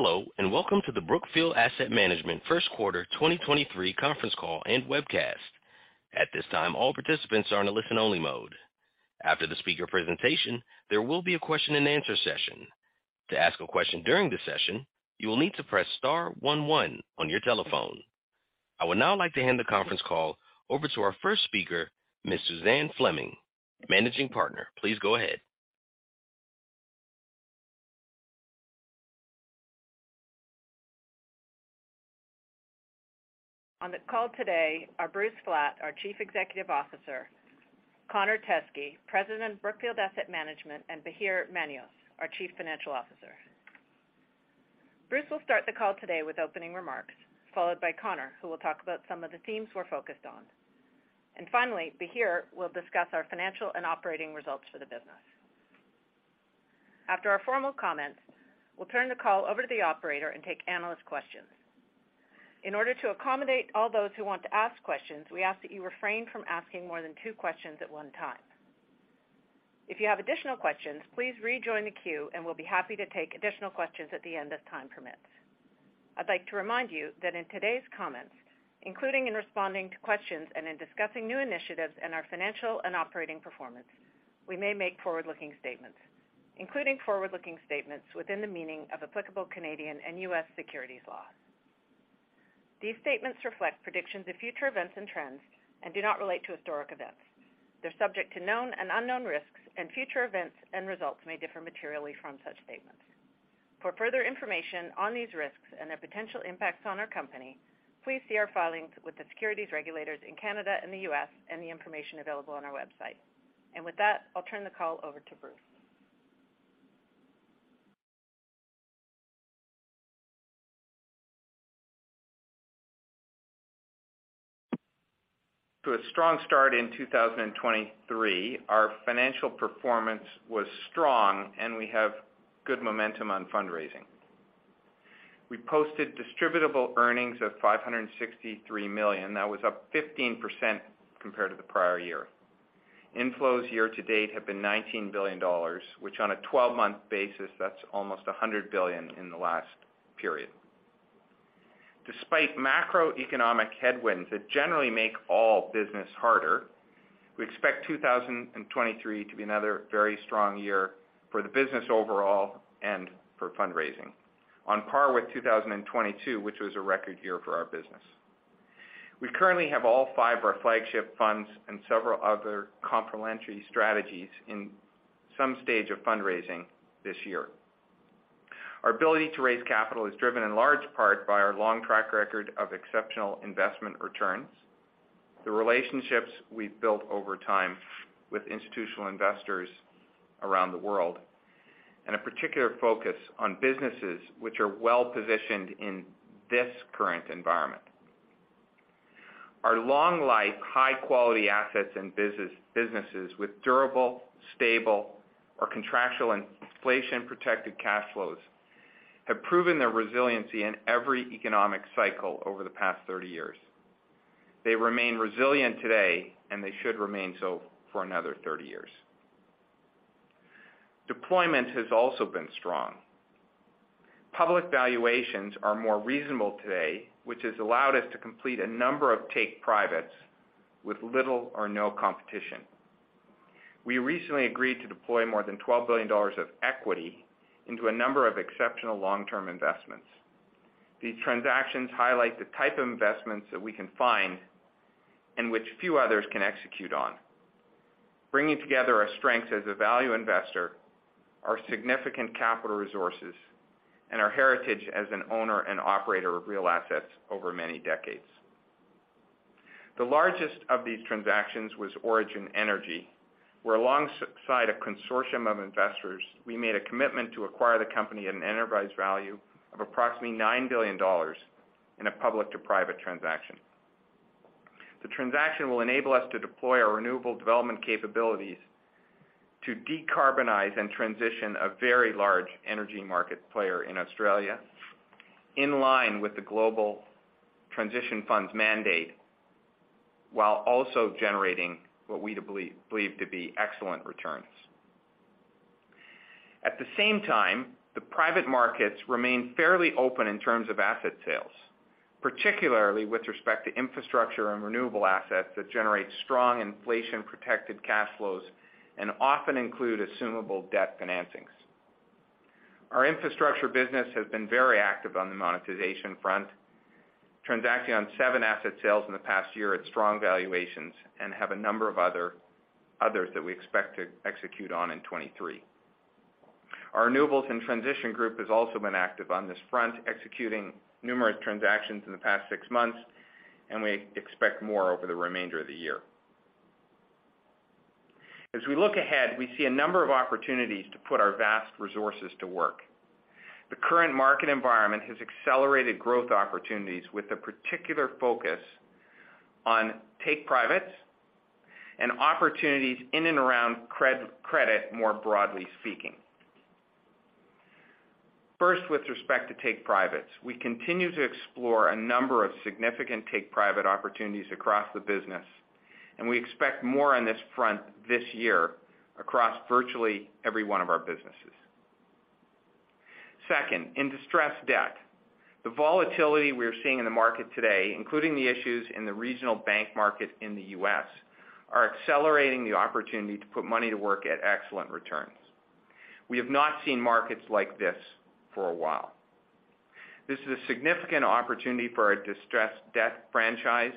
Hello, welcome to the Brookfield Asset Management 1st quarter 2023 conference call and webcast. At this time, all participants are in a listen-only mode. After the speaker presentation, there will be a question-and-answer session. To ask a question during the session, you will need to press star one one on your telephone. I would now like to hand the conference call over to our first speaker, Ms. Suzanne Fleming, Managing Partner. Please go ahead. On the call today are Bruce Flatt, our Chief Executive Officer, Connor Teskey, President of Brookfield Asset Management, and Bahir Manios, our Chief Financial Officer. Bruce will start the call today with opening remarks, followed by Connor, who will talk about some of the themes we're focused on. Finally, Bahir will discuss our financial and operating results for the business. After our formal comments, we'll turn the call over to the operator and take analyst questions. In order to accommodate all those who want to ask questions, we ask that you refrain from asking more than two questions at one time. If you have additional questions, please rejoin the queue, and we'll be happy to take additional questions at the end as time permits. I'd like to remind you that in today's comments, including in responding to questions and in discussing new initiatives in our financial and operating performance, we may make forward-looking statements, including forward-looking statements within the meaning of applicable Canadian and U.S. securities law. These statements reflect predictions of future events and trends and do not relate to historic events. They're subject to known and unknown risks, and future events and results may differ materially from such statements. For further information on these risks and their potential impacts on our company, please see our filings with the securities regulators in Canada and the U.S. and the information available on our website. With that, I'll turn the call over to Bruce. To a strong start in 2023. Our financial performance was strong, and we have good momentum on fundraising. We posted distributable earnings of $563 million. That was up 15% compared to the prior year. Inflows year-to-date have been $19 billion, which on a 12-month basis, that's almost $100 billion in the last period. Despite macroeconomic headwinds that generally make all business harder, we expect 2023 to be another very strong year for the business overall and for fundraising. On par with 2022, which was a record year for our business. We currently have all five of our flagship funds and several other complementary strategies in some stage of fundraising this year. Our ability to raise capital is driven in large part by our long track record of exceptional investment returns, the relationships we've built over time with institutional investors around the world, and a particular focus on businesses which are well-positioned in this current environment. Our long-life, high-quality assets and businesses with durable, stable, or contractual inflation-protected cash flows have proven their resiliency in every economic cycle over the past 30 years. They remain resilient today. They should remain so for another 30 years. Deployment has also been strong. Public valuations are more reasonable today, which has allowed us to complete a number of take-privates with little or no competition. We recently agreed to deploy more than $12 billion of equity into a number of exceptional long-term investments. These transactions highlight the type of investments that we can find and which few others can execute on, bringing together our strengths as a value investor, our significant capital resources, and our heritage as an owner and operator of real assets over many decades. The largest of these transactions was Origin Energy, where alongside a consortium of investors, we made a commitment to acquire the company at an enterprise value of approximately $9 billion in a public to private transaction. The transaction will enable us to deploy our renewable development capabilities to decarbonize and transition a very large energy market player in Australia in line with the Global Transition Fund's mandate, while also generating what we believe to be excellent returns. At the same time, the private markets remain fairly open in terms of asset sales, particularly with respect to infrastructure and renewable assets that generate strong inflation-protected cash flows and often include assumable debt financings. Our infrastructure business has been very active on the monetization front, transacting on seven asset sales in the past year at strong valuations, and have a number of others that we expect to execute on in 2023. Our renewables and transition group has also been active on this front, executing numerous transactions in the past six months, and we expect more over the remainder of the year. As we look ahead, we see a number of opportunities to put our vast resources to work. The current market environment has accelerated growth opportunities with a particular focus on take privates and opportunities in and around credit, more broadly speaking. First, with respect to take-privates, we continue to explore a number of significant take-private opportunities across the business. We expect more on this front this year across virtually every one of our businesses. Second, in distressed debt. The volatility we are seeing in the market today, including the issues in the regional bank market in the U.S., are accelerating the opportunity to put money to work at excellent returns. We have not seen markets like this for a while. This is a significant opportunity for our distressed debt franchise,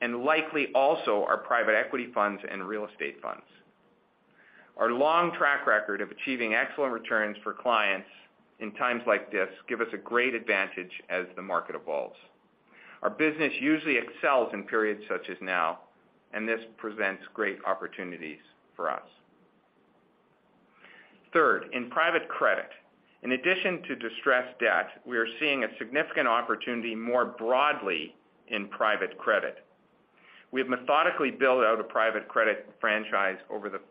and likely also our private equity funds and real estate funds. Our long track record of achieving excellent returns for clients in times like this give us a great advantage as the market evolves. Our business usually excels in periods such as now, and this presents great opportunities for us. Third, in private credit. In addition to distressed debt, we are seeing a significant opportunity more broadly in private credit. We have methodically built out a private credit franchise over the past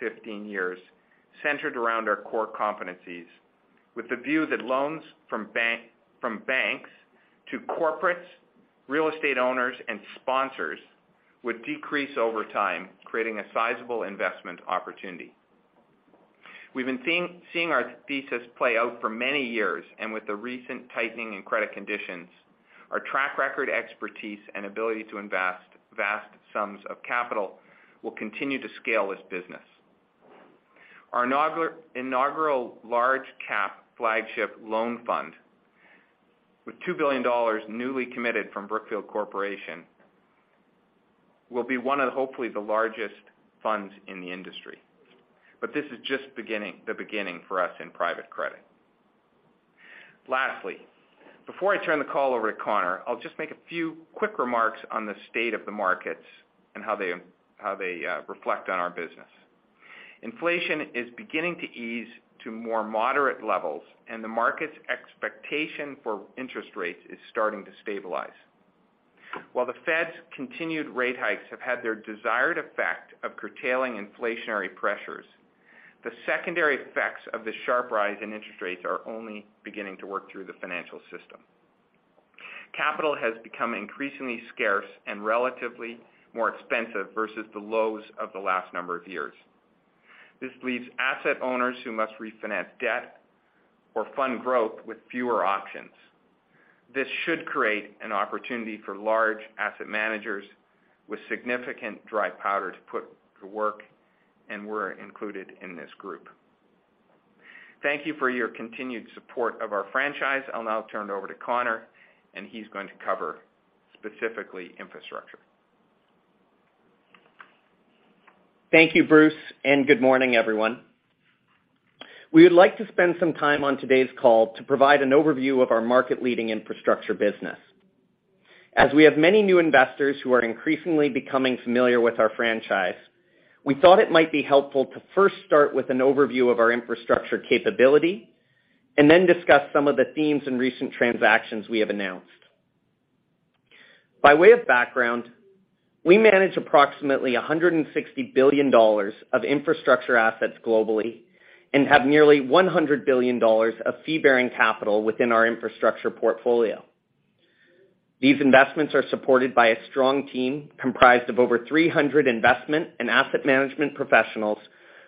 15 years centered around our core competencies with the view that loans from banks to corporates, real estate owners, and sponsors would decrease over time, creating a sizable investment opportunity. We've been seeing our thesis play out for many years, and with the recent tightening in credit conditions, our track record expertise and ability to invest vast sums of capital will continue to scale this business. Our inaugural large cap flagship loan fund, with $2 billion newly committed from Brookfield Corporation, will be one of hopefully the largest funds in the industry. This is just the beginning for us in private credit. Lastly, before I turn the call over to Connor, I'll just make a few quick remarks on the state of the markets and how they reflect on our business. Inflation is beginning to ease to more moderate levels. The market's expectation for interest rates is starting to stabilize. While the Fed's continued rate hikes have had their desired effect of curtailing inflationary pressures, the secondary effects of the sharp rise in interest rates are only beginning to work through the financial system. Capital has become increasingly scarce and relatively more expensive versus the lows of the last number of years. This leaves asset owners who must refinance debt or fund growth with fewer options. This should create an opportunity for large asset managers with significant dry powder to put to work. We're included in this group. Thank you for your continued support of our franchise. I'll now turn it over to Connor, and he's going to cover specifically infrastructure. Thank you, Bruce, and good morning, everyone. We would like to spend some time on today's call to provide an overview of our market-leading infrastructure business. As we have many new investors who are increasingly becoming familiar with our franchise, we thought it might be helpful to first start with an overview of our infrastructure capability and then discuss some of the themes and recent transactions we have announced. By way of background, we manage approximately $160 billion of infrastructure assets globally and have nearly $100 billion of fee-bearing capital within our infrastructure portfolio. These investments are supported by a strong team comprised of over 300 investment and asset management professionals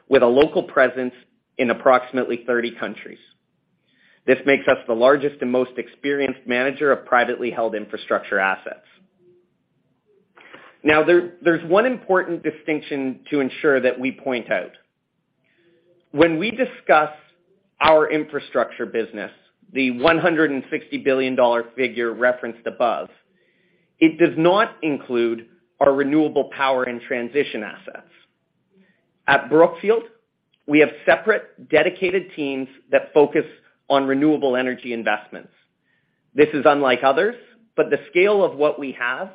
with a local presence in approximately 30 countries. This makes us the largest and most experienced manager of privately held infrastructure assets. There's one important distinction to ensure that we point out. When we discuss our infrastructure business, the $160 billion figure referenced above, it does not include our renewable power and transition assets. At Brookfield, we have separate dedicated teams that focus on renewable energy investments. This is unlike others, the scale of what we have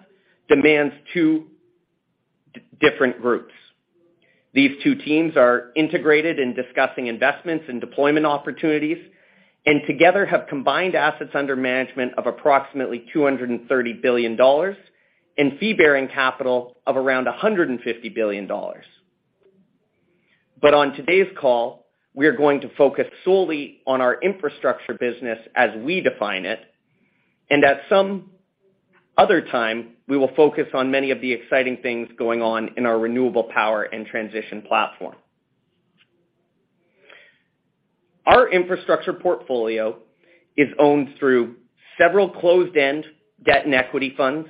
demands two different groups. These two teams are integrated in discussing investments and deployment opportunities, together have combined assets under management of approximately $230 billion and fee-bearing capital of around $150 billion. On today's call, we are going to focus solely on our infrastructure business as we define it, at some other time, we will focus on many of the exciting things going on in our renewable power and transition platform. Our infrastructure portfolio is owned through several closed-end debt and equity funds,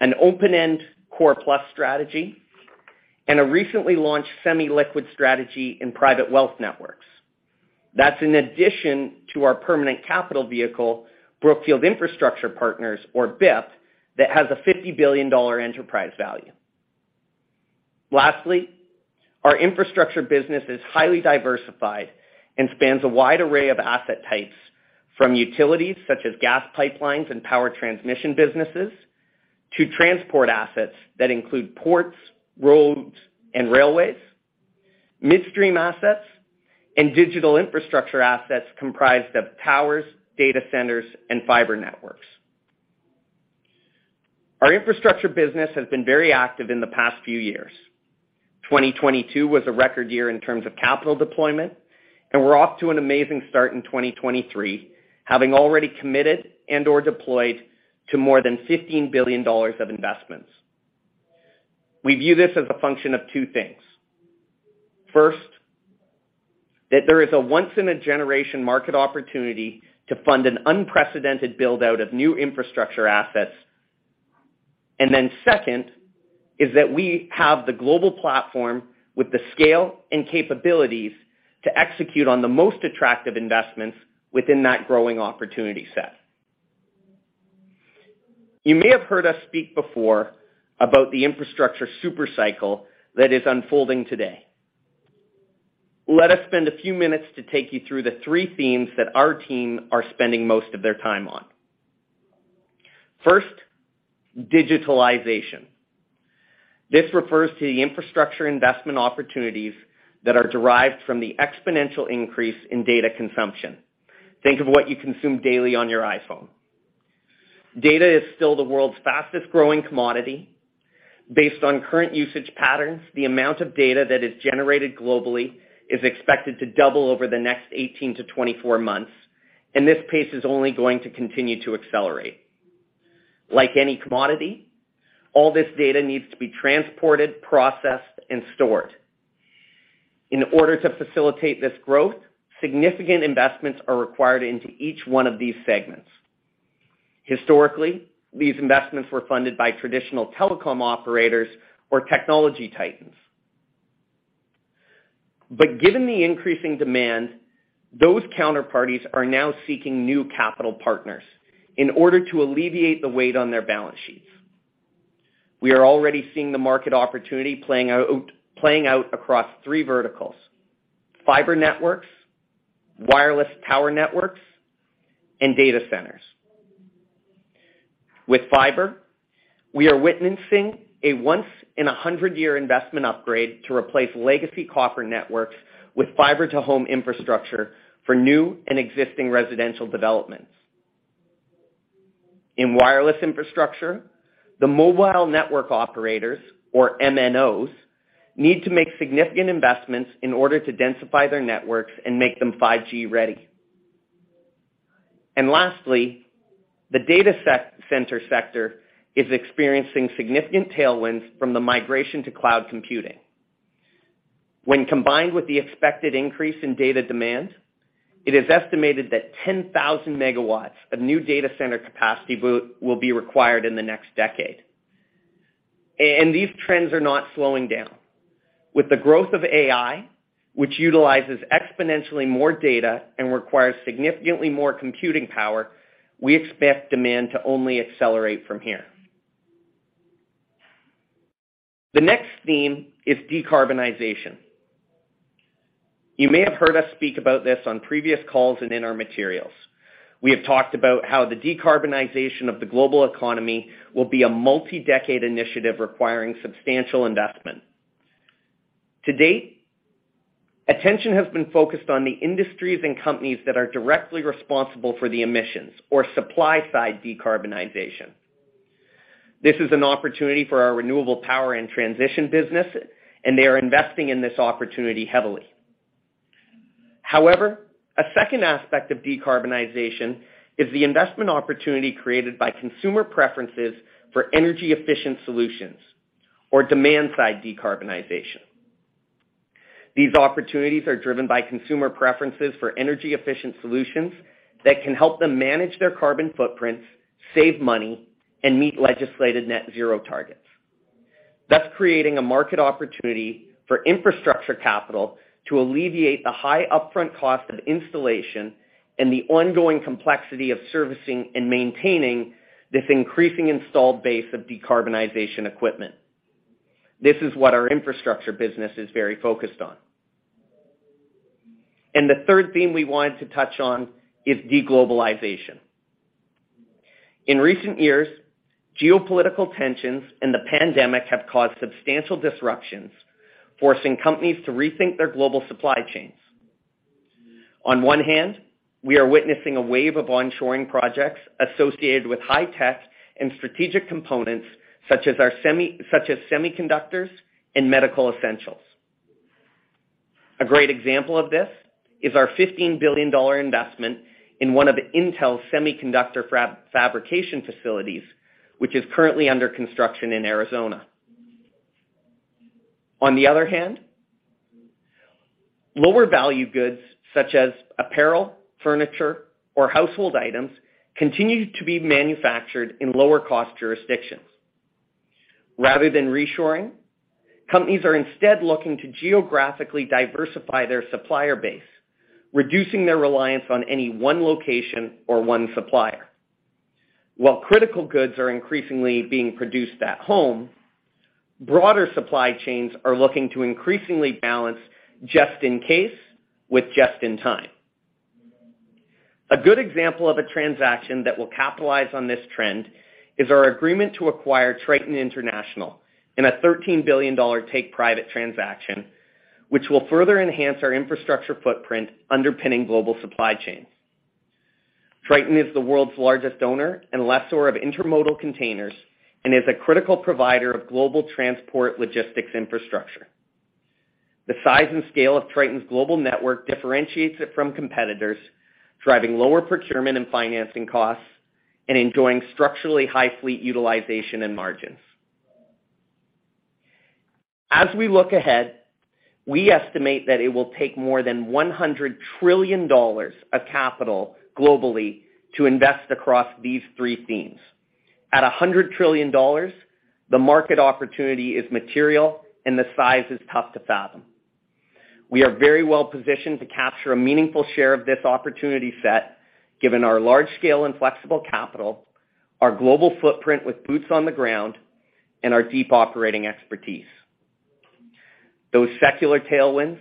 an open-end core plus strategy, and a recently launched semi-liquid strategy in private wealth networks. That's in addition to our permanent capital vehicle, Brookfield Infrastructure Partners or BIP, that has a $50 billion enterprise value. Lastly, our infrastructure business is highly diversified and spans a wide array of asset types from utilities such as gas pipelines and power transmission businesses, to transport assets that include ports, roads, and railways, midstream assets and digital infrastructure assets comprised of towers, data centers, and fiber networks. Our infrastructure business has been very active in the past few years. 2022 was a record year in terms of capital deployment, and we're off to an amazing start in 2023, having already committed and or deployed to more than $15 billion of investments. We view this as a function of two things. First, that there is a once in a generation market opportunity to fund an unprecedented build-out of new infrastructure assets. Second is that we have the global platform with the scale and capabilities to execute on the most attractive investments within that growing opportunity set. You may have heard us speak before about the infrastructure super cycle that is unfolding today. Let us spend a few minutes to take you through the three themes that our team are spending most of their time on. First, digitalization. This refers to the infrastructure investment opportunities that are derived from the exponential increase in data consumption. Think of what you consume daily on your iPhone. Data is still the world's fastest-growing commodity. Based on current usage patterns, the amount of data that is generated globally is expected to double over the next 18-24 months, and this pace is only going to continue to accelerate. Like any commodity, all this data needs to be transported, processed, and stored. In order to facilitate this growth, significant investments are required into each one of these segments. Historically, these investments were funded by traditional telecom operators or technology titans. Given the increasing demand, those counterparties are now seeking new capital partners in order to alleviate the weight on their balance sheets. We are already seeing the market opportunity playing out across three verticals: fiber networks, wireless tower networks, and data centers. With fiber, we are witnessing a once in a 100-year investment upgrade to replace legacy copper networks with fiber to home infrastructure for new and existing residential developments. In wireless infrastructure, the MNOs need to make significant investments in order to densify their networks and make them 5G ready. Lastly, the data center sector is experiencing significant tailwinds from the migration to cloud computing. When combined with the expected increase in data demand, it is estimated that 10,000 MW of new data center capacity will be required in the next decade. These trends are not slowing down. With the growth of AI, which utilizes exponentially more data and requires significantly more computing power, we expect demand to only accelerate from here. The next theme is decarbonization. You may have heard us speak about this on previous calls and in our materials. We have talked about how the decarbonization of the global economy will be a multi-decade initiative requiring substantial investment. To date, attention has been focused on the industries and companies that are directly responsible for the emissions or supply-side decarbonization. This is an opportunity for our renewable power and transition business, and they are investing in this opportunity heavily. However, a 2nd aspect of decarbonization is the investment opportunity created by consumer preferences for energy-efficient solutions or demand-side decarbonization. These opportunities are driven by consumer preferences for energy-efficient solutions that can help them manage their carbon footprints, save money, and meet legislated net zero targets, thus creating a market opportunity for infrastructure capital to alleviate the high upfront cost of installation and the ongoing complexity of servicing and maintaining this increasing installed base of decarbonization equipment. This is what our infrastructure business is very focused on. The 3rd theme we wanted to touch on is deglobalization. In recent years, geopolitical tensions and the pandemic have caused substantial disruptions, forcing companies to rethink their global supply chains. On one hand, we are witnessing a wave of onshoring projects associated with high-tech and strategic components such as semiconductors and medical essentials. A great example of this is our $15 billion investment in one of Intel's semiconductor fabrication facilities, which is currently under construction in Arizona. On the other hand, lower value goods such as apparel, furniture, or household items continue to be manufactured in lower cost jurisdictions. Rather than reshoring, companies are instead looking to geographically diversify their supplier base, reducing their reliance on any one location or one supplier. While critical goods are increasingly being produced at home, broader supply chains are looking to increasingly balance just in case with just in time. A good example of a transaction that will capitalize on this trend is our agreement to acquire Triton International in a $13 billion take-private transaction, which will further enhance our infrastructure footprint underpinning global supply chains. Triton is the world's largest owner and lessor of intermodal containers and is a critical provider of global transport logistics infrastructure. The size and scale of Triton's global network differentiates it from competitors, driving lower procurement and financing costs and enjoying structurally high fleet utilization and margins. As we look ahead, we estimate that it will take more than $100 trillion of capital globally to invest across these three themes. At $100 trillion, the market opportunity is material, and the size is tough to fathom. We are very well positioned to capture a meaningful share of this opportunity set, given our large scale and flexible capital, our global footprint with boots on the ground, and our deep operating expertise. Those secular tailwinds,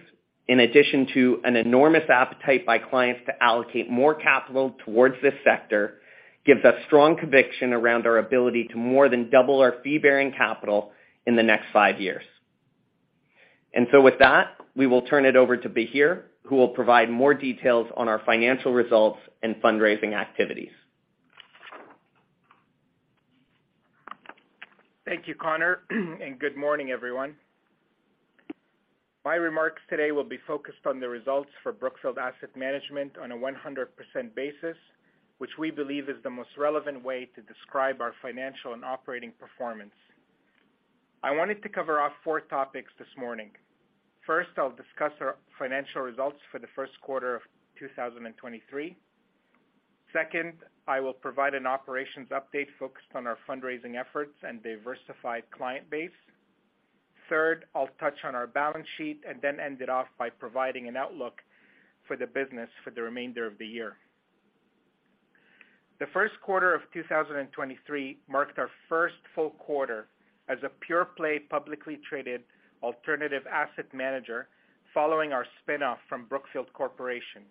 in addition to an enormous appetite by clients to allocate more capital towards this sector, gives us strong conviction around our ability to more than double our fee-bearing capital in the next five years. With that, we will turn it over to Bahir, who will provide more details on our financial results and fundraising activities. Thank you, Connor, and good morning, everyone. My remarks today will be focused on the results for Brookfield Asset Management on a 100% basis, which we believe is the most relevant way to describe our financial and operating performance. I wanted to cover off four topics this morning. First, I'll discuss our financial results for the 1st quarter of 2023. Second, I will provide an operations update focused on our fundraising efforts and diversified client base. Third, I'll touch on our balance sheet and then end it off by providing an outlook for the business for the remainder of the year. The 1st quarter of 2023 marked our first full quarter as a pure-play, publicly traded alternative asset manager following our spin-off from Brookfield Corporation,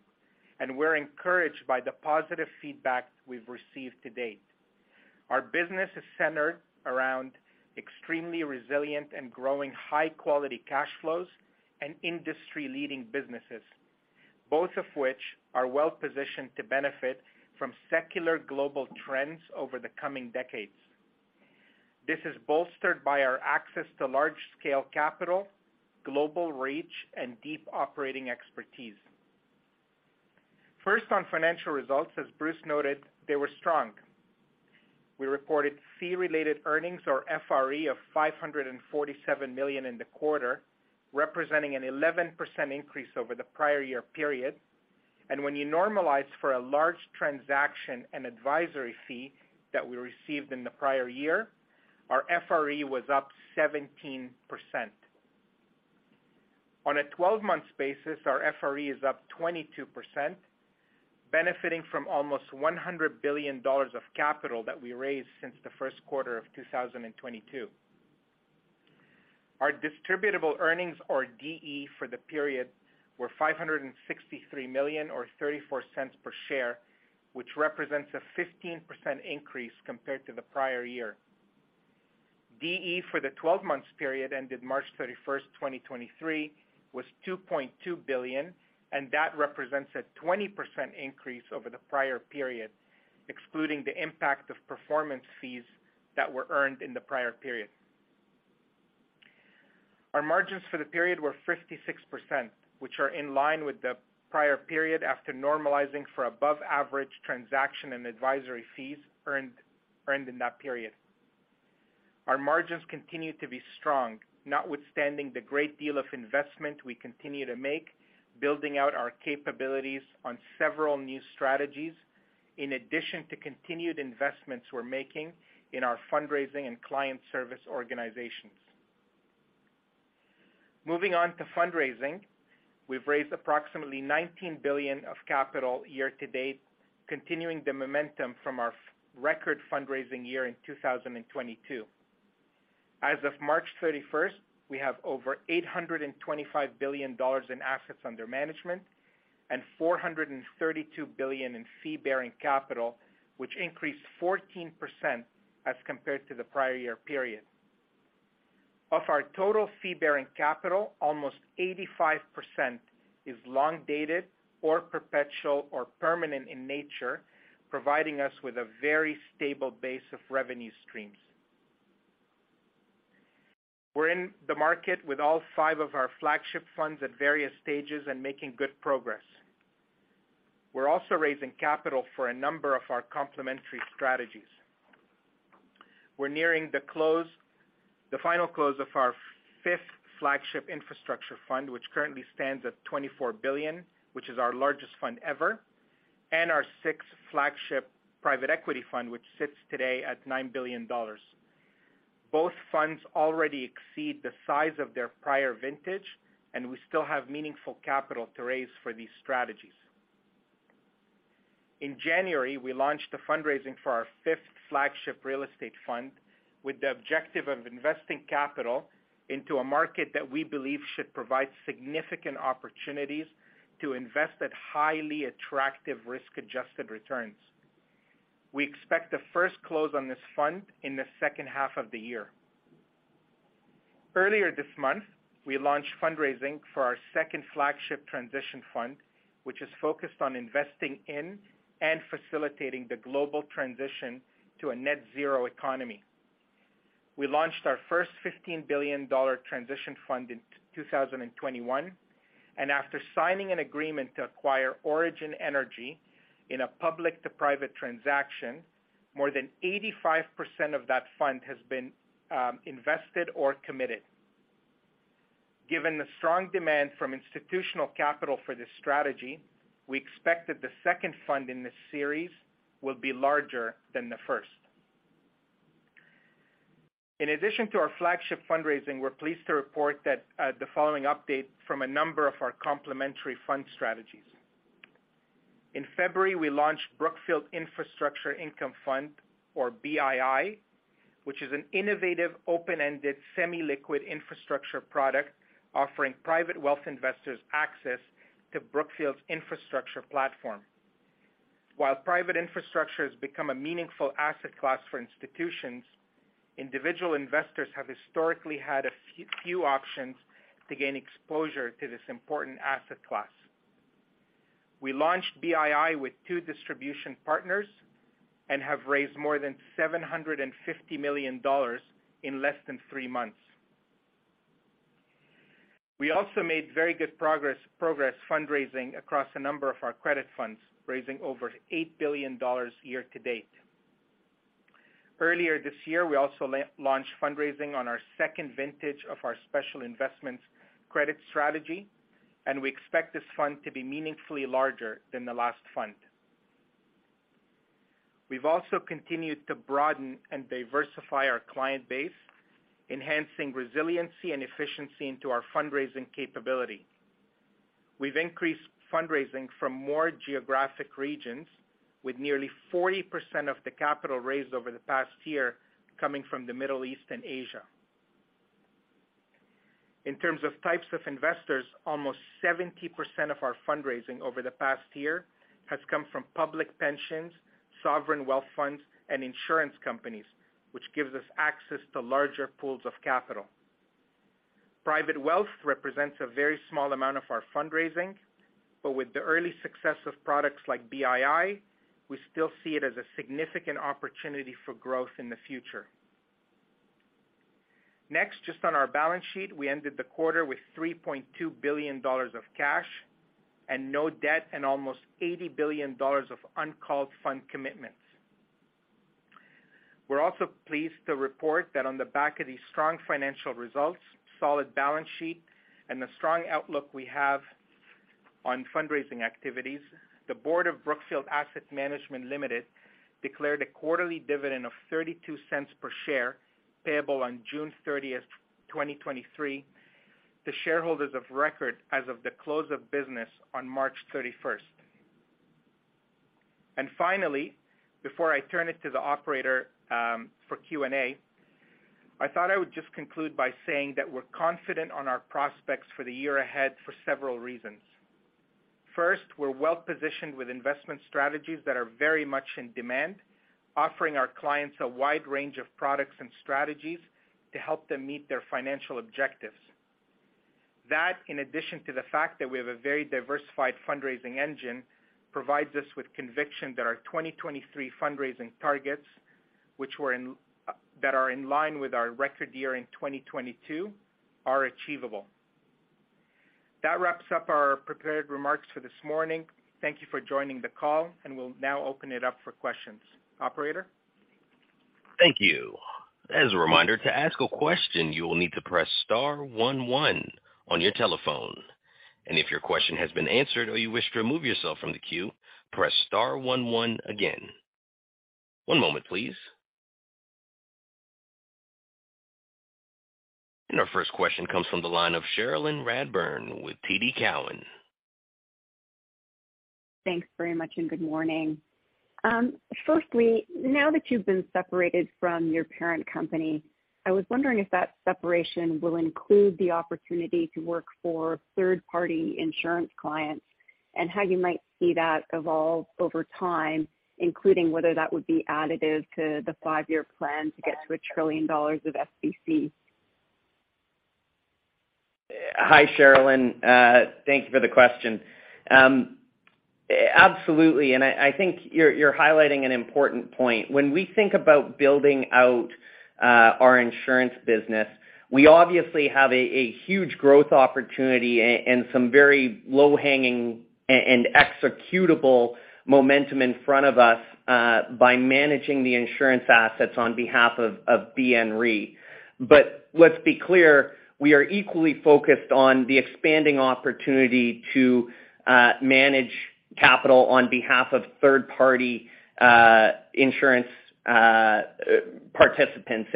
and we're encouraged by the positive feedback we've received to date. Our business is centered around extremely resilient and growing high-quality cash flows and industry-leading businesses, both of which are well-positioned to benefit from secular global trends over the coming decades. This is bolstered by our access to large-scale capital, global reach, and deep operating expertise. First, on financial results, as Bruce noted, they were strong. We reported fee-related earnings or FRE of $547 million in the quarter, representing an 11% increase over the prior year period. When you normalize for a large transaction and advisory fee that we received in the prior year, our FRE was up 17%. On a 12-month basis, our FRE is up 22%, benefiting from almost $100 billion of capital that we raised since the 1st quarter of 2022. Our distributable earnings, or Distributable Earnings, for the period were $563 million or $0.34 per share, which represents a 15% increase compared to the prior year. Distributable Earnings for the 12-months period ended March 31, 2023 was $2.2 billion, that represents a 20% increase over the prior period, excluding the impact of performance fees that were earned in the prior period. Our margins for the period were 56%, which are in line with the prior period after normalizing for above average transaction and advisory fees earned in that period. Our margins continue to be strong, notwithstanding the great deal of investment we continue to make, building out our capabilities on several new strategies, in addition to continued investments we're making in our fundraising and client service organizations. Moving on to fundraising. We've raised approximately $19 billion of capital year to date, continuing the momentum from our record fundraising year in 2022. As of March 31st, we have over $825 billion in assets under management and $432 billion in fee-bearing capital, which increased 14% as compared to the prior year period. Of our total fee-bearing capital, almost 85% is long dated or perpetual or permanent in nature, providing us with a very stable base of revenue streams. We're in the market with all five of our flagship funds at various stages and making good progress. We're also raising capital for a number of our complementary strategies. We're nearing the final close of our fifth flagship infrastructure fund, which currently stands at $24 billion, which is our largest fund ever, and our sixth flagship private equity fund, which sits today at $9 billion. Both funds already exceed the size of their prior vintage. We still have meaningful capital to raise for these strategies. In January, we launched the fundraising for our fifth flagship real estate fund with the objective of investing capital into a market that we believe should provide significant opportunities to invest at highly attractive risk-adjusted returns. We expect the first close on this fund in the second half of the year. Earlier this month, we launched fundraising for our 2nd flagship transition fund, which is focused on investing in and facilitating the global transition to a net zero economy. We launched our first $15 billion Transition Fund in 2021, and after signing an agreement to acquire Origin Energy in a public to private transaction, more than 85% of that fund has been invested or committed. Given the strong demand from institutional capital for this strategy, we expect that the 2nd fund in this series will be larger than the first. In addition to our flagship fundraising, we're pleased to report that the following update from a number of our complementary fund strategies. In February, we launched Brookfield Infrastructure Income Fund, or BII, which is an innovative, open-ended, semi-liquid infrastructure product offering private wealth investors access to Brookfield's infrastructure platform. While private infrastructure has become a meaningful asset class for institutions, individual investors have historically had a few options to gain exposure to this important asset class. We launched BII with two distribution partners and have raised more than $750 million in less than three months. We also made very good progress fundraising across a number of our credit funds, raising over $8 billion year to date. Earlier this year, we also launch fundraising on our 2nd vintage of our special investments credit strategy. We expect this fund to be meaningfully larger than the last fund. We've also continued to broaden and diversify our client base, enhancing resiliency and efficiency into our fundraising capability. We've increased fundraising from more geographic regions with nearly 40% of the capital raised over the past year coming from the Middle East and Asia. In terms of types of investors, almost 70% of our fundraising over the past year has come from public pensions, sovereign wealth funds, and insurance companies, which gives us access to larger pools of capital. Private wealth represents a very small amount of our fundraising, but with the early success of products like BII, we still see it as a significant opportunity for growth in the future. Just on our balance sheet, we ended the quarter with $3.2 billion of cash and no debt, and almost $80 billion of uncalled fund commitments. We're also pleased to report that on the back of these strong financial results, solid balance sheet, and the strong outlook we have on fundraising activities, the Board of Brookfield Asset Management Limited declared a quarterly dividend of $0.32 per share payable on June 30th, 2023 to shareholders of record as of the close of business on March 31st. Finally, before I turn it to the operator for Q&A, I thought I would just conclude by saying that we're confident on our prospects for the year ahead for several reasons. First, we're well-positioned with investment strategies that are very much in demand, offering our clients a wide range of products and strategies to help them meet their financial objectives. That, in addition to the fact that we have a very diversified fundraising engine, provides us with conviction that our 2023 fundraising targets, that are in line with our record year in 2022, are achievable. That wraps up our prepared remarks for this morning. Thank you for joining the call. We'll now open it up for questions. Operator? Thank you. As a reminder, to ask a question, you will need to press star one one on your telephone. If your question has been answered or you wish to remove yourself from the queue, press star one one again. One moment, please. Our first question comes from the line of Cherilyn Radbourne with TD Cowen. Thanks very much, and good morning. Firstly, now that you've been separated from your parent company, I was wondering if that separation will include the opportunity to work for 3rd-party insurance clients, and how you might see that evolve over time, including whether that would be additive to the five-year plan to get to $1 trillion of FPC? Hi, Cherilyn. Thank you for the question. Absolutely, and I think you're highlighting an important point. When we think about building out our insurance business, we obviously have a huge growth opportunity and some very low-hanging and executable momentum in front of us by managing the insurance assets on behalf of BNRE. Let's be clear, we are equally focused on the expanding opportunity to manage capital on behalf of 3rd-party insurance participants.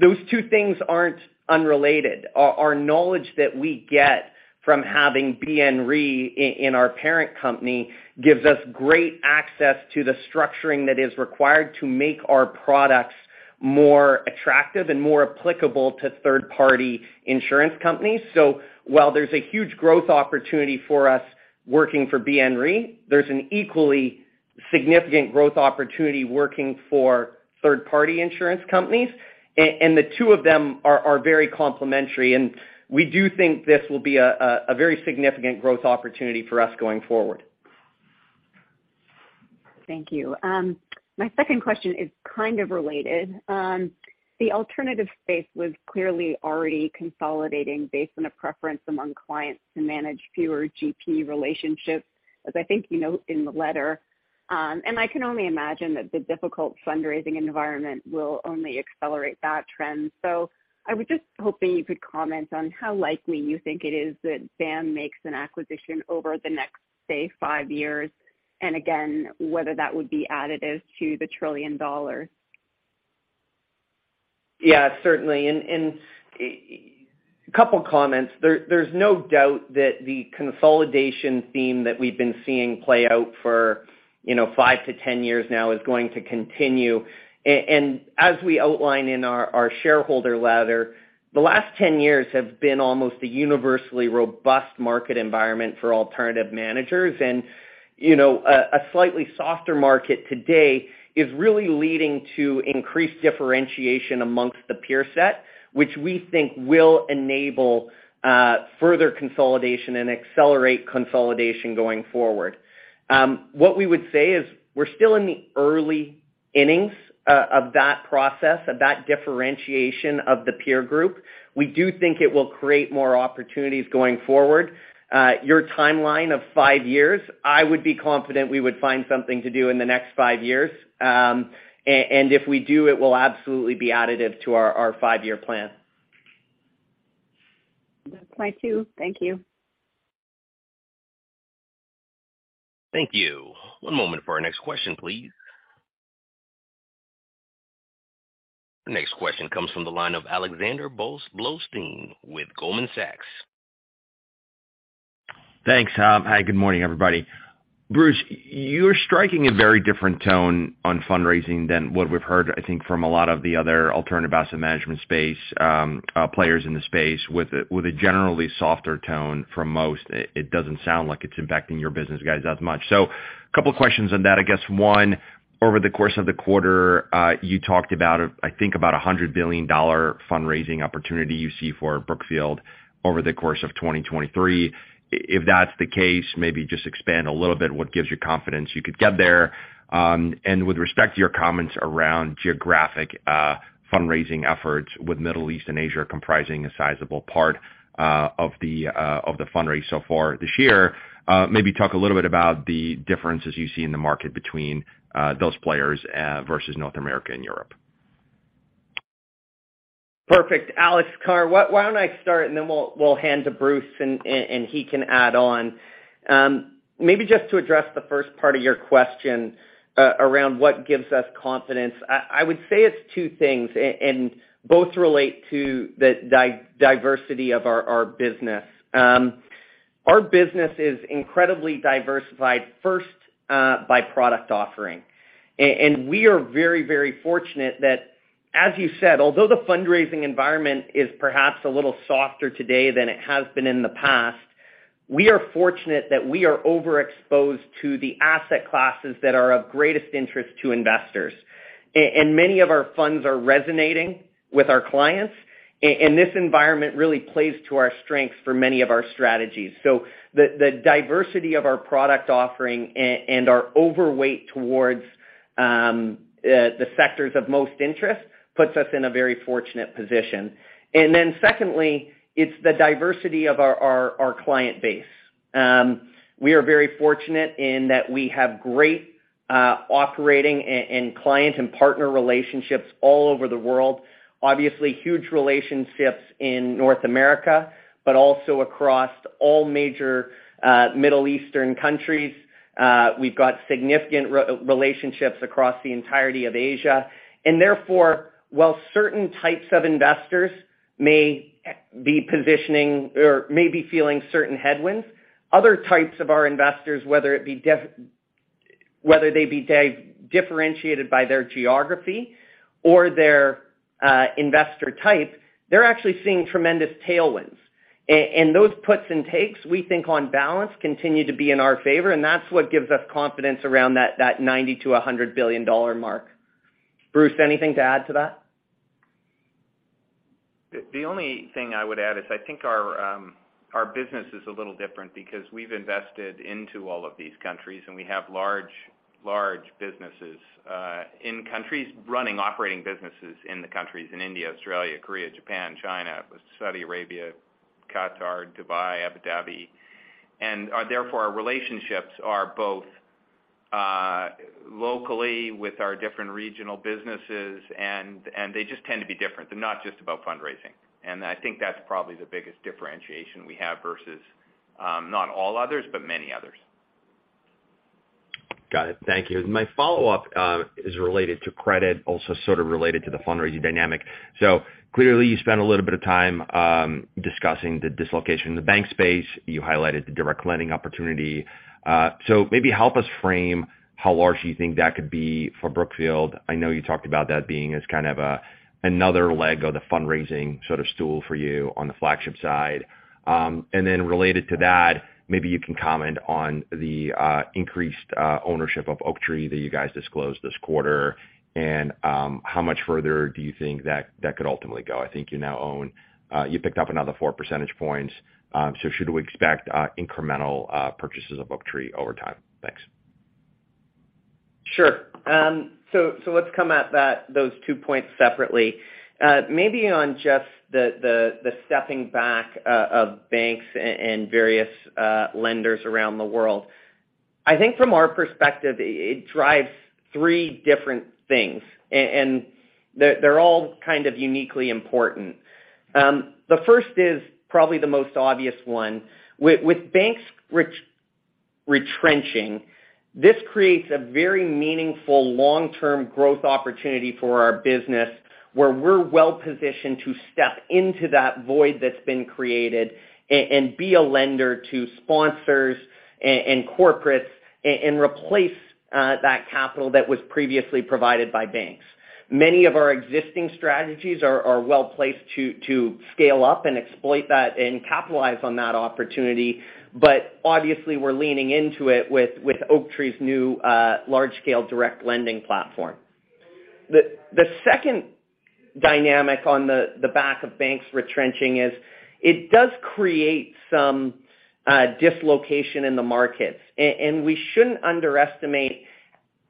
Those two things aren't unrelated. Our knowledge that we get from having BNRE in our parent company gives us great access to the structuring that is required to make our products more attractive and more applicable to 3rd-party insurance companies. While there's a huge growth opportunity for us working for BNRE, there's an equally significant growth opportunity working for 3rd-party insurance companies. The two of them are very complementary, and we do think this will be a very significant growth opportunity for us going forward. Thank you. My 2nd question is kind of related. The alternative space was clearly already consolidating based on a preference among clients to manage fewer GP relationships, as I think you note in the letter. I can only imagine that the difficult fundraising environment will only accelerate that trend. I was just hoping you could comment on how likely you think it is that BAM makes an acquisition over the next, say, five years, and again, whether that would be additive to the trillion dollar. Yeah, certainly. Couple of comments. There's no doubt that the consolidation theme that we've been seeing play out for, you know, 5-10 years now is going to continue. As we outline in our shareholder letter, the last 10 years have been almost a universally robust market environment for alternative managers. You know, a slightly softer market today is really leading to increased differentiation amongst the peer set, which we think will enable further consolidation and accelerate consolidation going forward. What we would say is we're still in the early innings of that process, of that differentiation of the peer group. We do think it will create more opportunities going forward. Your timeline of five years, I would be confident we would find something to do in the next five years. If we do, it will absolutely be additive to our five-year plan. That's my two. Thank you. Thank you. One moment for our next question, please. The next question comes from the line of Alexander Blostein with Goldman Sachs. Thanks. Hi, good morning, everybody. Bruce, you're striking a very different tone on fundraising than what we've heard, I think, from a lot of the other alternative asset management space, players in the space with a generally softer tone from most. It doesn't sound like it's impacting your business guys as much. A couple of questions on that, I guess, one, over the course of the quarter, you talked about, I think about a $100 billion fundraising opportunity you see for Brookfield over the course of 2023. If that's the case, maybe just expand a little bit what gives you confidence you could get there. With respect to your comments around geographic fundraising efforts with Middle East and Asia comprising a sizable part of the fundraise so far this year, maybe talk a little bit about the differences you see in the market between those players versus North America and Europe? Perfect. Alex Carr, why don't I start and then we'll hand to Bruce Flatt and he can add on. Maybe just to address the 1st part of your question around what gives us confidence. I would say it's two things and both relate to the diversity of our business. Our business is incredibly diversified, first, by product offering. We are very, very fortunate that, as you said, although the fundraising environment is perhaps a little softer today than it has been in the past, we are fortunate that we are overexposed to the asset classes that are of greatest interest to investors. Many of our funds are resonating with our clients and this environment really plays to our strengths for many of our strategies. The diversity of our product offering and are overweight towards the sectors of most interest puts us in a very fortunate position. Secondly, it's the diversity of our client base. We are very fortunate in that we have great operating and client and partner relationships all over the world. Obviously, huge relationships in North America, but also across all major Middle Eastern countries. We've got significant relationships across the entirety of Asia. While certain types of investors may be positioning or may be feeling certain headwinds, other types of our investors, whether it be differentiated by their geography or their investor type, they're actually seeing tremendous tailwinds. Those puts and takes, we think on balance, continue to be in our favor, and that's what gives us confidence around that $90 billion-$100 billion mark. Bruce, anything to add to that? The only thing I would add is I think our business is a little different because we've invested into all of these countries, and we have large businesses in countries running operating businesses in the countries in India, Australia, Korea, Japan, China, Saudi Arabia, Qatar, Dubai, Abu Dhabi. Therefore, our relationships are both locally with our different regional businesses, and they just tend to be different. They're not just about fundraising. I think that's probably the biggest differentiation we have versus not all others, but many others. Got it. Thank you. My follow-up is related to credit, also sort of related to the fundraising dynamic. Clearly, you spent a little bit of time discussing the dislocation in the bank space. You highlighted the direct lending opportunity. Maybe help us frame how large you think that could be for Brookfield. I know you talked about that being as kind of a, another leg of the fundraising sort of stool for you on the flagship side. Related to that, maybe you can comment on the increased ownership of Oaktree that you guys disclosed this quarter. How much further do you think that could ultimately go? I think you now own, you picked up another 4 percentage points. Should we expect incremental purchases of Oaktree over time? Thanks. Sure. Let's come at those two points separately. Maybe on just the stepping back of banks and various lenders around the world. I think from our perspective, it drives three different things, and they're all kind of uniquely important. The first is probably the most obvious one. With banks retrenching, this creates a very meaningful long-term growth opportunity for our business, where we're well positioned to step into that void that's been created and be a lender to sponsors and corporates and replace that capital that was previously provided by banks. Many of our existing strategies are well-placed to scale up and exploit that and capitalize on that opportunity. Obviously, we're leaning into it with Oaktree's new large-scale direct lending platform. The 2nd dynamic on the back of banks retrenching is it does create some dislocation in the markets. We shouldn't underestimate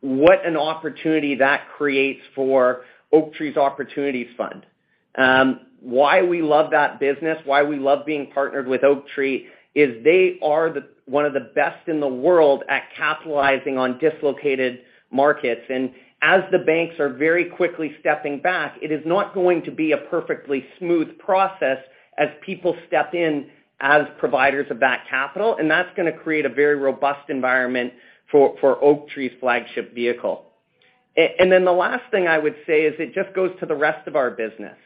what an opportunity that creates for Oaktree's opportunities fund. Why we love that business, why we love being partnered with Oaktree is they are one of the best in the world at capitalizing on dislocated markets. As the banks are very quickly stepping back, it is not going to be a perfectly smooth process as people step in as providers of that capital. That's gonna create a very robust environment for Oaktree's flagship vehicle. Then the last thing I would say is it just goes to the rest of our business.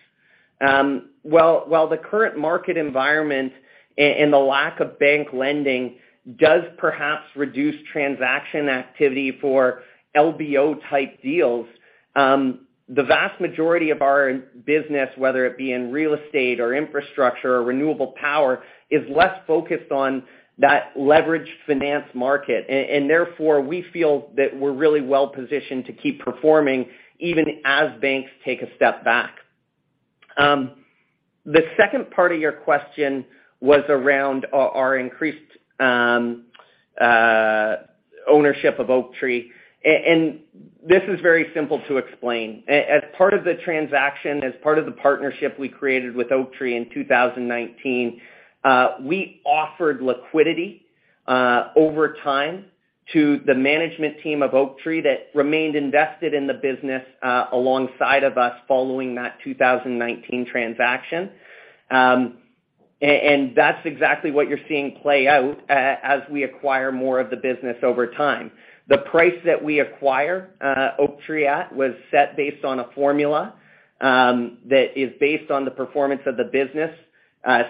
While the current market environment and the lack of bank lending does perhaps reduce transaction activity for LBO-type deals, the vast majority of our business, whether it be in real estate or infrastructure or renewable power, is less focused on that leveraged finance market. Therefore, we feel that we're really well-positioned to keep performing even as banks take a step back. The 2nd part of your question was around our increased ownership of Oaktree. This is very simple to explain. As part of the transaction, as part of the partnership we created with Oaktree in 2019, we offered liquidity over time to the management team of Oaktree that remained invested in the business alongside of us following that 2019 transaction. And that's exactly what you're seeing play out as we acquire more of the business over time. The price that we acquire Oaktree at was set based on a formula that is based on the performance of the business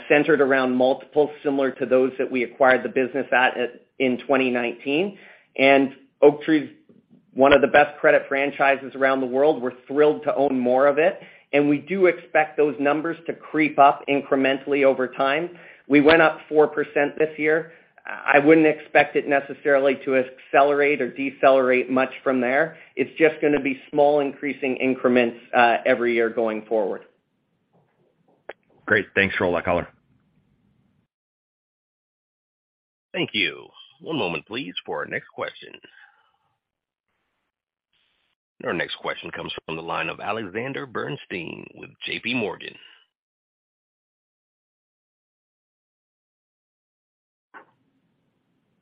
centered around multiples similar to those that we acquired the business at in 2019. Oaktree's one of the best credit franchises around the world. We're thrilled to own more of it, and we do expect those numbers to creep up incrementally over time. We went up 4% this year. I wouldn't expect it necessarily to accelerate or decelerate much from there. It's just gonna be small increasing increments every year going forward. Great. Thanks for all that color. Thank you. One moment, please, for our next question. Our next question comes from the line of Alexander Bernstein with J.P. Morgan.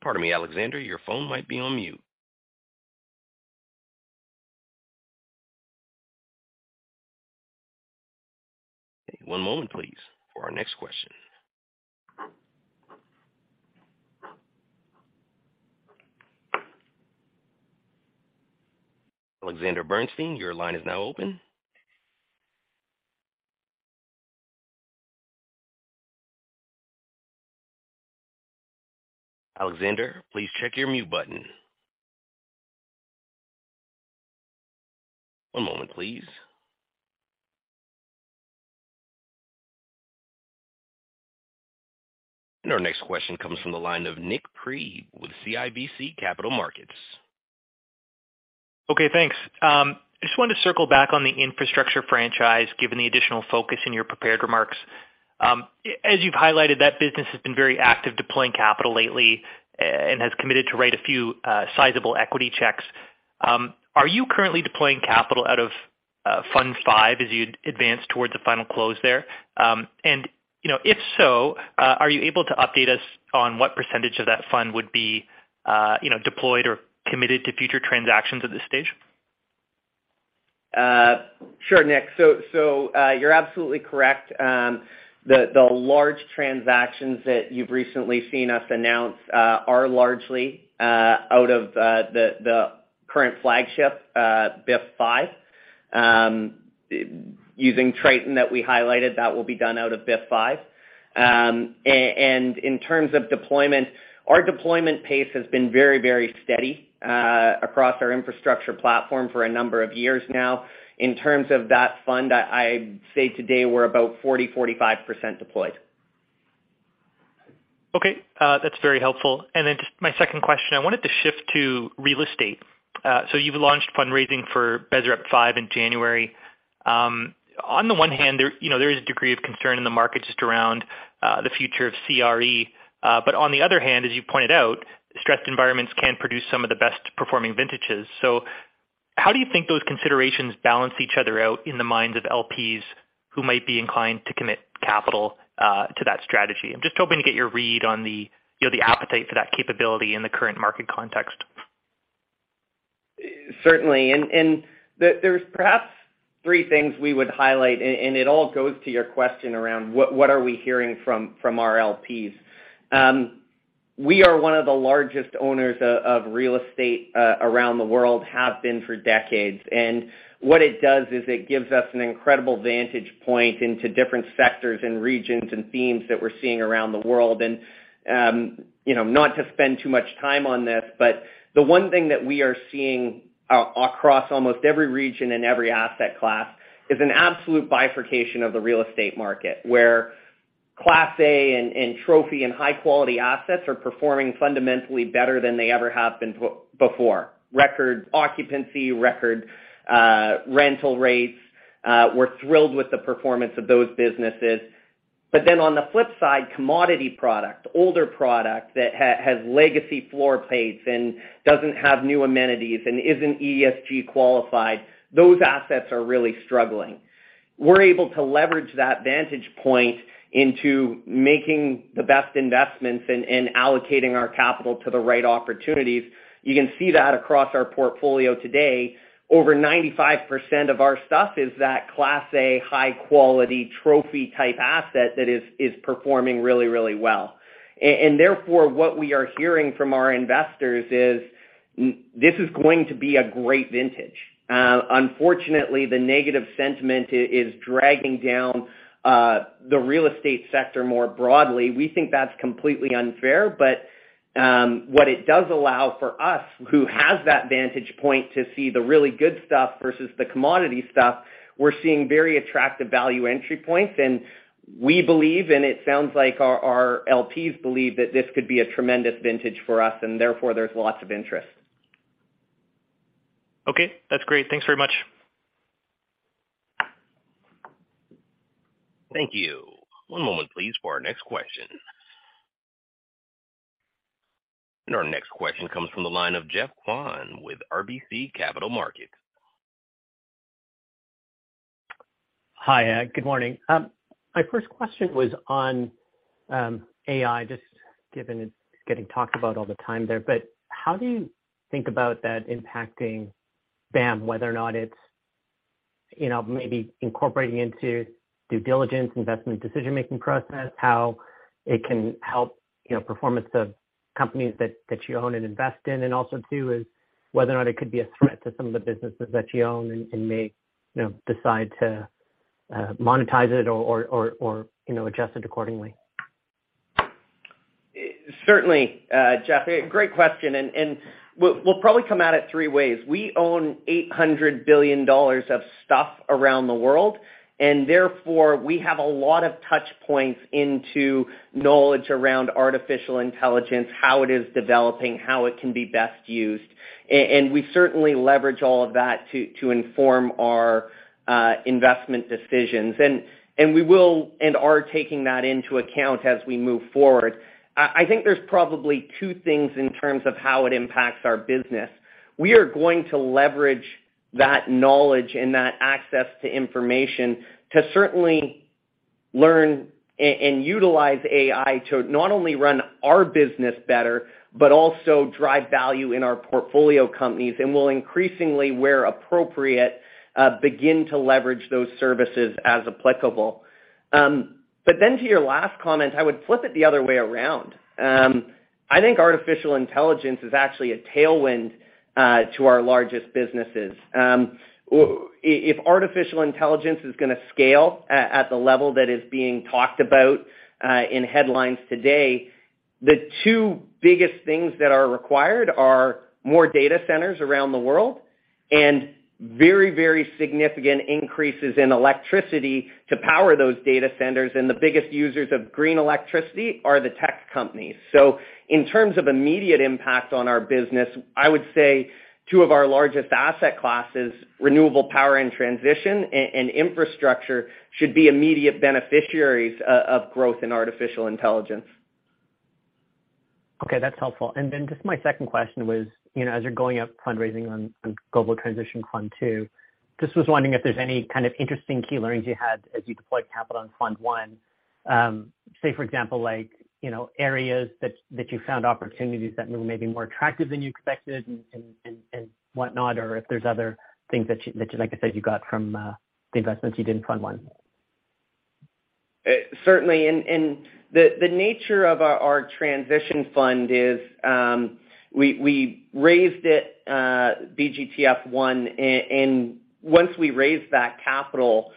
Pardon me, Alexander, your phone might be on mute. One moment, please, for our next question. Alexander Bernstein, your line is now open. Alexander, please check your mute button. One moment, please. Our next question comes from the line of Nikolaos Priebe with CIBC Capital Markets. Okay. Thanks. Just wanted to circle back on the infrastructure franchise, given the additional focus in your prepared remarks. As you've highlighted, that business has been very active deploying capital lately, and has committed to write a few sizable equity checks. Are you currently deploying capital out of Fund Five as you advance towards the final close there? And, you know, if so, are you able to update us on what percentage of that fund would be, you know, deployed or committed to future transactions at this stage? Sure, Nick. You're absolutely correct. The large transactions that you've recently seen us announce are largely out of the current flagship BIF V. Using Triton that we highlighted, that will be done out of BIF V. In terms of deployment, our deployment pace has been very, very steady across our infrastructure platform for a number of years now. In terms of that fund, I'd say today we're about 40%-45% deployed. Okay, that's very helpful. Just my 2nd question, I wanted to shift to real estate. You've launched fundraising for BSREP V in January. On the one hand there, you know, there is a degree of concern in the market just around the future of CRE. On the other hand, as you pointed out, stressed environments can produce some of the best-performing vintages. How do you think those considerations balance each other out in the minds of LPs who might be inclined to commit capital to that strategy? I'm just hoping to get your read on the, you know, the appetite for that capability in the current market context. Certainly. There's perhaps three things we would highlight, and it all goes to your question around what are we hearing from our LPs. We are one of the largest owners of real estate around the world, have been for decades. What it does is it gives us an incredible vantage point into different sectors and regions and themes that we're seeing around the world. You know, not to spend too much time on this, but the 1 thing that we are seeing across almost every region and every asset class is an absolute bifurcation of the real estate market, where class A and trophy and high-quality assets are performing fundamentally better than they ever have been before. Record occupancy, record rental rates. We're thrilled with the performance of those businesses. On the flip side, commodity product, older product that has legacy floor plates and doesn't have new amenities and isn't ESG qualified, those assets are really struggling. We're able to leverage that vantage point into making the best investments and allocating our capital to the right opportunities. You can see that across our portfolio today. Over 95% of our stuff is that class A high quality trophy type asset that is performing really well. Therefore what we are hearing from our investors is this is going to be a great vintage. Unfortunately, the negative sentiment is dragging down the real estate sector more broadly. We think that's completely unfair, but what it does allow for us, who has that vantage point to see the really good stuff versus the commodity stuff, we're seeing very attractive value entry points. We believe, and it sounds like our LPs believe, that this could be a tremendous vintage for us, and therefore there's lots of interest. Okay. That's great. Thanks very much. Thank you. One moment please for our next question. Our next question comes from the line of Geoffrey Kwan with RBC Capital Markets. Hi, good morning. My 1st question was on AI, just given it's getting talked about all the time there, but how do you think about that impacting BAM, whether or not it's, you know, maybe incorporating into due diligence, investment decision-making process, how it can help, you know, performance of companies that you own and invest in? Also too is whether or not it could be a threat to some of the businesses that you own and may, you know, decide to monetize it or, you know, adjust it accordingly? Certainly, Geoff, great question, and we'll probably come at it three ways. We own $800 billion of stuff around the world, and therefore we have a lot of touch points into knowledge around artificial intelligence, how it is developing, how it can be best used. We certainly leverage all of that to inform our investment decisions. We will and are taking that into account as we move forward. I think there's probably two things in terms of how it impacts our business. We are going to leverage that knowledge and that access to information to certainly learn and utilize AI to not only run our business better but also drive value in our portfolio companies, and we'll increasingly, where appropriate, begin to leverage those services as applicable. To your last comment, I would flip it the other way around. I think artificial intelligence is actually a tailwind to our largest businesses. If artificial intelligence is gonna scale at the level that is being talked about in headlines today, the two biggest things that are required are more data centers around the world and very, very significant increases in electricity to power those data centers, and the biggest users of green electricity are the tech companies. In terms of immediate impact on our business, I would say two of our largest asset classes, renewable power and transition and infrastructure, should be immediate beneficiaries of growth in artificial intelligence. Okay, that's helpful. Just my 2nd question was, you know, as you're going out fundraising on Global Transition Fund II, just was wondering if there's any kind of interesting key learnings you had as you deployed capital on fund one. Say, for example, like, you know, areas that you found opportunities that were maybe more attractive than you expected and whatnot or if there's other things that you, like I said, you got from the investments you did in fund one. Certainly. The nature of our transition fund is, we raised it, BGTF I, and once we raised that capital,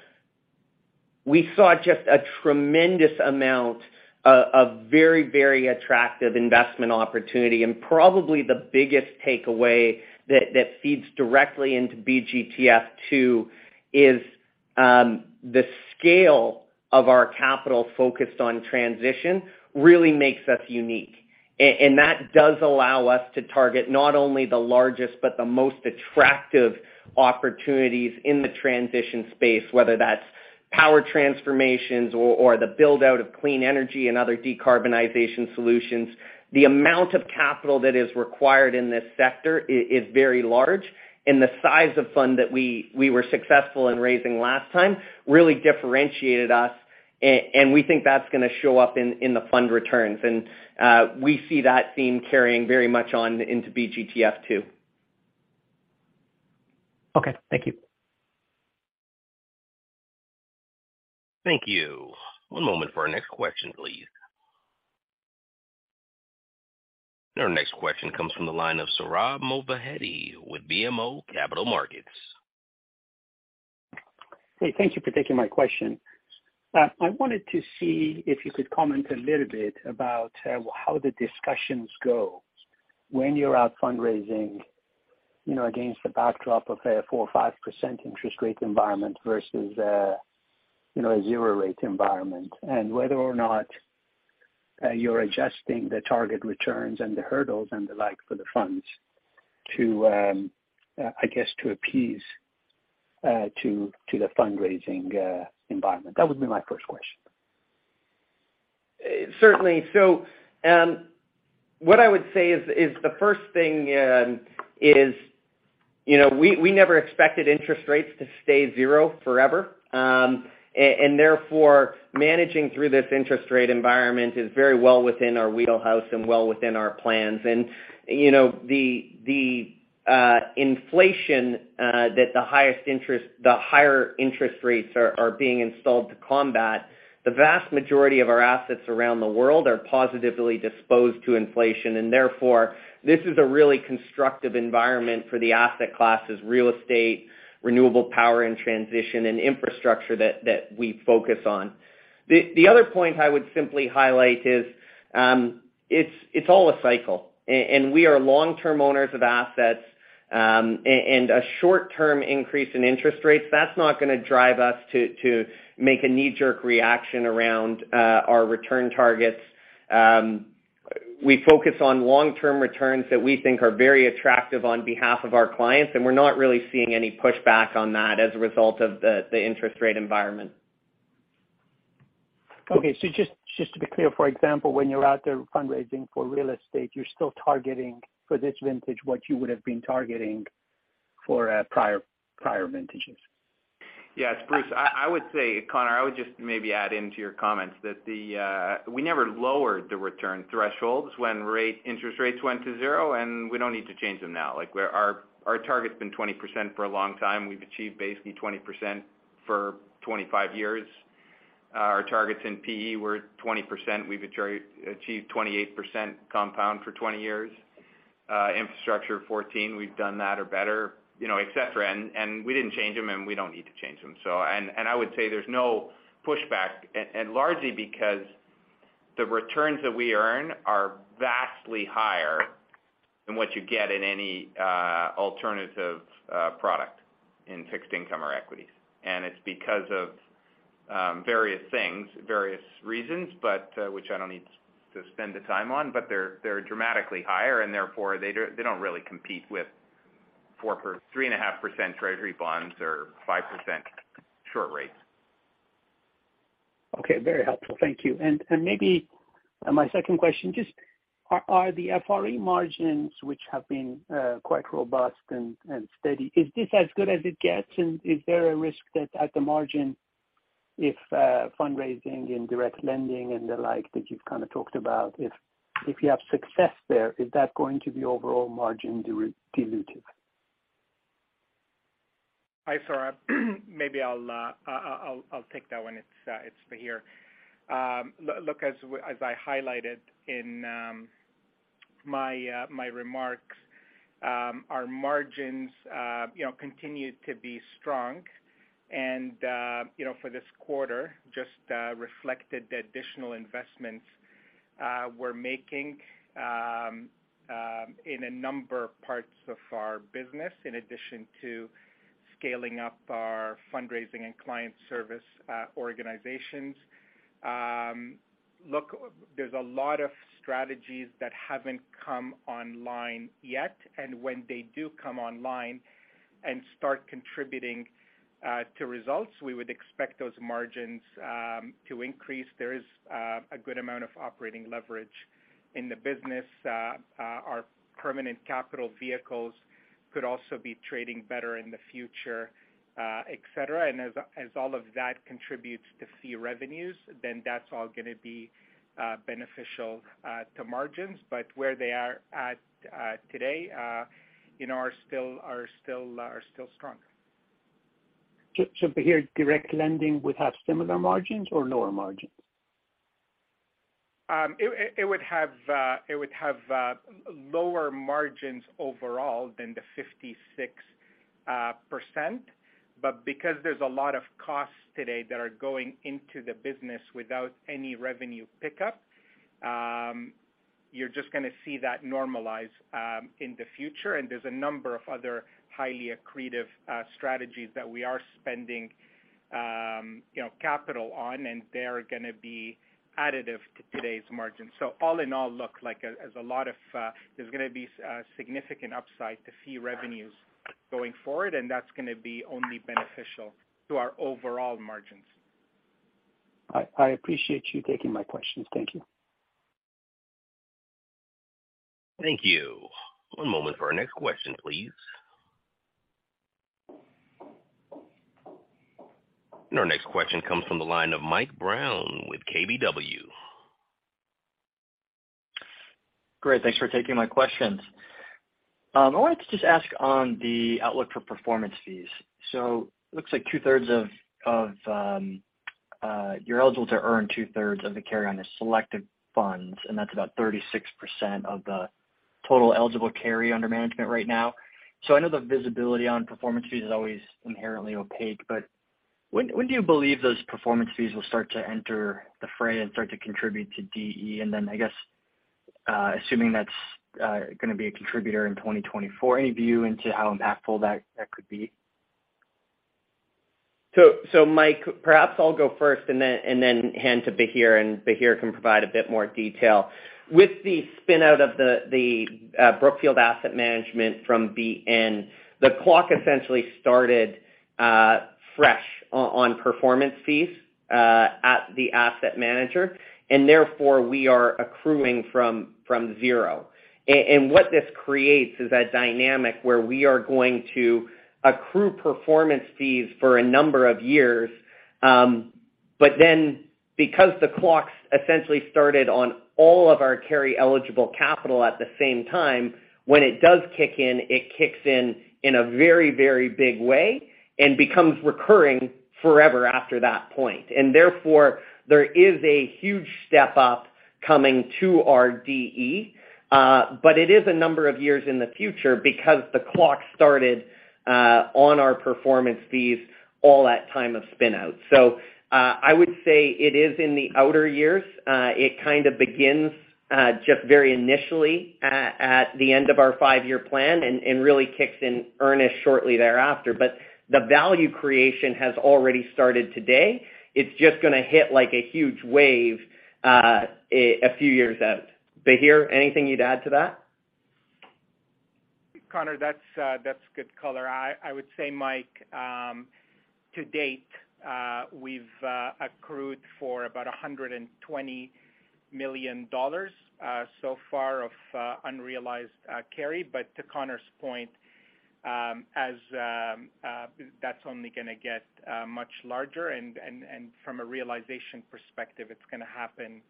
we saw just a tremendous amount of very attractive investment opportunity. Probably the biggest takeaway that feeds directly into BGTF II is the scale of our capital focused on transition really makes us unique. That does allow us to target not only the largest but the most attractive opportunities in the transition space, whether that's power transformations or the build-out of clean energy and other decarbonization solutions. The amount of capital that is required in this sector is very large, and the size of fund that we were successful in raising last time really differentiated us. We think that's gonna show up in the fund returns. We see that theme carrying very much on into BGTF II. Okay. Thank you. Thank you. One moment for our next question, please. Our next question comes from the line of Sohrab Movahedi with BMO Capital Markets. Hey, thank you for taking my question. I wanted to see if you could comment a little bit about how the discussions go when you're out fundraising, you know, against the backdrop of a 4% or 5% interest rate environment versus, you know, a zero rate environment, and whether or not you're adjusting the target returns and the hurdles and the like for the funds to, I guess, to appease to the fundraising environment? That would be my first question. Certainly. What I would say is the first thing is, you know, we never expected interest rates to stay zero forever. Therefore, managing through this interest rate environment is very well within our wheelhouse and well within our plans. You know, the inflation that the higher interest rates are being installed to combat, the vast majority of our assets around the world are positively disposed to inflation. Therefore, this is a really constructive environment for the asset classes, real estate, renewable power and transition and infrastructure that we focus on. The other point I would simply highlight is it's all a cycle, and we are long-term owners of assets. A short-term increase in interest rates, that's not gonna drive us to make a knee-jerk reaction around our return targets. We focus on long-term returns that we think are very attractive on behalf of our clients, and we're not really seeing any pushback on that as a result of the interest rate environment. Just to be clear, for example, when you're out there fundraising for real estate, you're still targeting for this vintage what you would've been targeting for, prior vintages. Yes. Bruce, I would say Connor, I would just maybe add into your comments that we never lowered the return thresholds when interest rates went to 0, and we don't need to change them now. Like, our target's been 20% for a long time. We've achieved basically 20% for 25 years. Our targets in PE were 20%. We've achieved 28% compound for 20 years. Infrastructure 14%, we've done that or better, you know, et cetera. We didn't change them, and we don't need to change them. I would say there's no pushback and largely because the returns that we earn are vastly higher than what you get in any alternative product in fixed income or equities. It's because of, various things, various reasons, but, which I don't need to spend the time on, but they're dramatically higher and therefore they don't really compete with 3.5% Treasury bonds or 5% short rates. Okay. Very helpful. Thank you. Maybe my 2nd question, just are the FRE margins which have been quite robust and steady, is this as good as it gets? Is there a risk that at the margin if fundraising in direct lending and the like that you've kinda talked about, if you have success there, is that going to be overall margin diluted? Hi, Sohrab. Maybe I'll take that one it's Bahir. Look, as I highlighted in my remarks, our margins, you know, continued to be strong. You know, for this quarter just reflected the additional investments we're making in a number of parts of our business, in addition to scaling up our fundraising and client service organizations. Look, there's a lot of strategies that haven't come online yet, and when they do come online and start contributing to results, we would expect those margins to increase. There is a good amount of operating leverage in the business. Our permanent capital vehicles could also be trading better in the future, et cetera. As all of that contributes to fee revenues, then that's all gonna be beneficial to margins. Where they are at today, you know, are still strong. Just to hear, direct lending would have similar margins or lower margins? It would have lower margins overall than the 56%. Because there's a lot of costs today that are going into the business without any revenue pickup, you're just gonna see that normalize in the future. There's a number of other highly accretive strategies that we are spending You know, capital on, and they're gonna be additive to today's margins. All in all as a lot of. There's gonna be significant upside to fee revenues going forward, and that's gonna be only beneficial to our overall margins. I appreciate you taking my questions. Thank you. Thank you. One moment for our next question, please. Our next question comes from the line of Mike Brown with KBW. Great. Thanks for taking my questions. I wanted to just ask on the outlook for performance fees. Looks like 2/3 of you're eligible to earn 2/3 of the carry on the selected funds, and that's about 36% of the total eligible carry under management right now. I know the visibility on performance fees is always inherently opaque, but when do you believe those performance fees will start to enter the fray and start to contribute to Distributable Earnings? I guess, assuming that's gonna be a contributor in 2024, any view into how impactful that could be? Mike, perhaps I'll go first and then hand to Bahir, and Bahir can provide a bit more detail. With the spin-out of the Brookfield Asset Management from BN, the clock essentially started fresh on performance fees at the asset manager, and therefore we are accruing from zero. What this creates is a dynamic where we are going to accrue performance fees for a number of years, but then because the clocks essentially started on all of our carry eligible capital at the same time, when it does kick in, it kicks in in a very, very big way and becomes recurring forever after that point. Therefore there is a huge step up coming to our Distributable Earnings, but it is a number of years in the future because the clock started on our performance fees all at time of spin-out. I would say it is in the outer years. It kind of begins just very initially at the end of our five-year plan and really kicks in earnest shortly thereafter. The value creation has already started today. It's just gonna hit like a huge wave a few years out. Bahir, anything you'd add to that? Connor, that's good color. I would say, Mike, to date, we've accrued for about $120 million so far of unrealized carry. To Connor's point, as that's only gonna get much larger and from a realization perspective, it's gonna happen,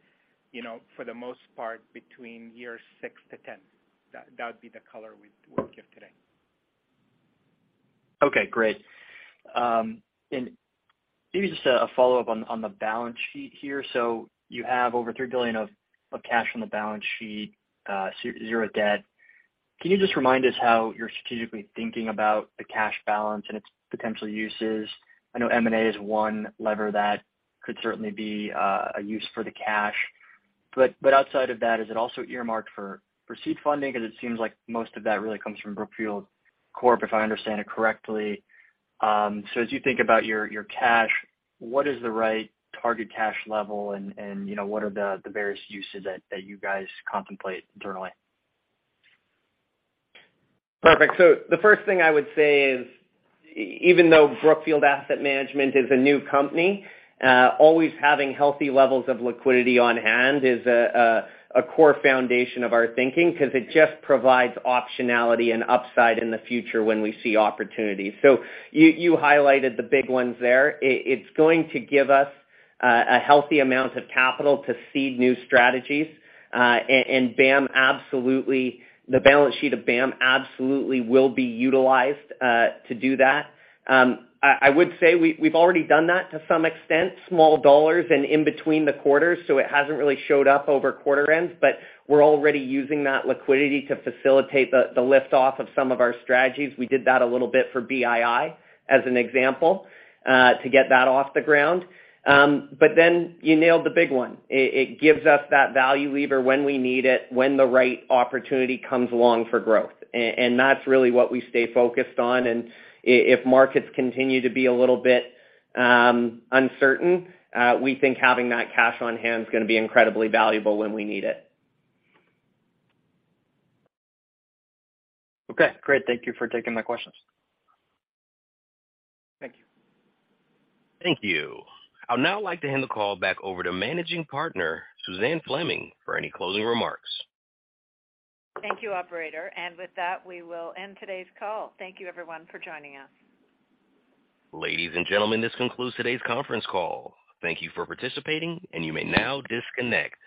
you know, for the most part between years 6-10. That would be the color we would give today. Okay, great. Maybe just a follow-up on the balance sheet here. You have over $3 billion of cash on the balance sheet, zero debt. Can you just remind us how you're strategically thinking about the cash balance and its potential uses? I know M&A is one lever that could certainly be a use for the cash. Outside of that, is it also earmarked for seed funding? 'Cause it seems like most of that really comes from Brookfield Corp, if I understand it correctly. As you think about your cash, what is the right target cash level and you know, what are the various uses that you guys contemplate internally? Perfect. The first thing I would say is even though Brookfield Asset Management is a new company, always having healthy levels of liquidity on hand is a core foundation of our thinking 'cause it just provides optionality and upside in the future when we see opportunities. You highlighted the big ones there. It's going to give us a healthy amount of capital to seed new strategies, and BAM absolutely the balance sheet of BAM absolutely will be utilized to do that. I would say we've already done that to some extent, small dollars and in between the quarters, so it hasn't really showed up over quarter ends. We're already using that liquidity to facilitate the lift off of some of our strategies. We did that a little bit for BII, as an example, to get that off the ground. You nailed the big one. It gives us that value lever when we need it, when the right opportunity comes along for growth. That's really what we stay focused on. If markets continue to be a little bit uncertain, we think having that cash on hand is gonna be incredibly valuable when we need it. Okay, great. Thank you for taking my questions. Thank you. Thank you. I'd now like to hand the call back over to Managing Partner, Suzanne Fleming, for any closing remarks. Thank you, Operator. With that, we will end today's call. Thank you everyone for joining us. Ladies and gentlemen, this concludes today's conference call. Thank you for participating, you may now disconnect.